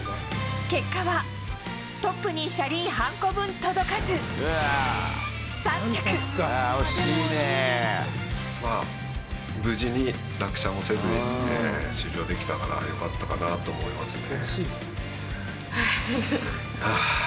結果はトップに車輪半個分届まあ、無事に落車もせずに、終了できたから、よかったかなと思いますね。